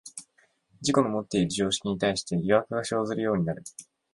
自己のもっている常識に対して疑惑が生ずるようになる。